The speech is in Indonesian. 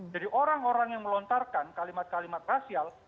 orang orang yang melontarkan kalimat kalimat rasial